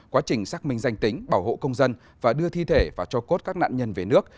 quá trình xác minh danh tính bảo hộ công dân và đưa thi thể và cho cốt các nạn nhân về nước